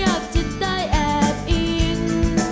อยากจะได้แอบอิง